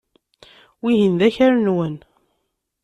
Wihin d akal-nwen.